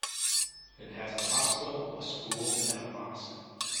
It has a hospital, a school and a mosque.